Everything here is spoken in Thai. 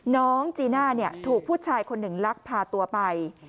น้องจีน่าถูกผู้ชายคนหนึ่งลักพาตัวไป